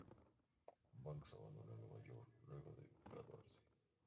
Banks abandonó Nueva York luego de graduarse.